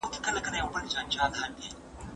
د نړۍ په هر ګوټ کې چې یاست.